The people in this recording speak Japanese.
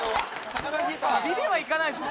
サビでは行かないでしょ！